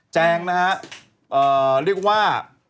แจงนะฮะเรียกว่า